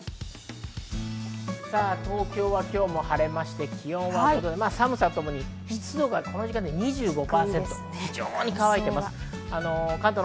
東京は今日も晴れまして、気温はこちら、寒さともに湿度がこの時間２５％、非常に乾いてます。